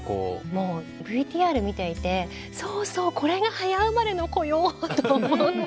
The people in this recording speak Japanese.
もうＶＴＲ見ていてそうそうこれが早生まれの子よと思って。